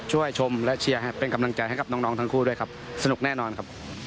ชมและเชียร์เป็นกำลังใจให้กับน้องทั้งคู่ด้วยครับสนุกแน่นอนครับ